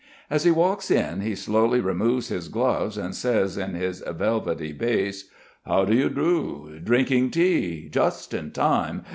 As he walks in he slowly removes his gloves and says in his velvety bass: "How do you do? Drinking tea. Just in time.